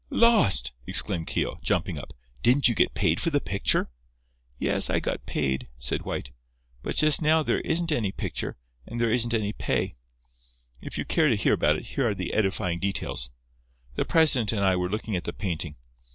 "Lost!" exclaimed Keogh, jumping up. "Didn't you get paid for the picture?" "Yes, I got paid," said White. "But just now there isn't any picture, and there isn't any pay. If you care to hear about it, here are the edifying details. The president and I were looking at the painting.